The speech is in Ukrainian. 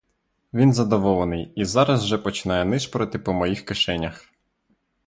Він задоволений і зараз же починає нишпорити по моїх кишенях.